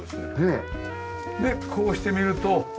でこうしてみると。